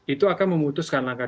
itu akan memutuskan langkah